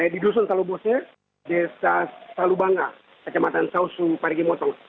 di dusun salubose desa salubanga kecamatan sausu parigimotong